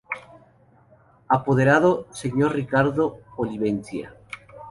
Apoderado Sr. Ricardo Olivencia.